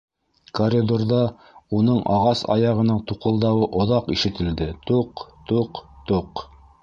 Коридорҙа уның ағас аяғының туҡылдауы оҙаҡ ишетелде: туҡ, туҡ, туҡ...